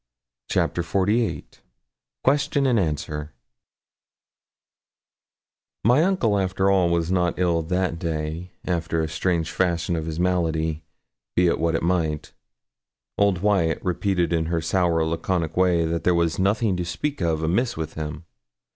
CHAPTER XLVIII QUESTION AND ANSWER My uncle, after all, was not ill that day, after the strange fashion of his malady, be it what it might. Old Wyat repeated in her sour laconic way that there was 'nothing to speak of amiss with him.'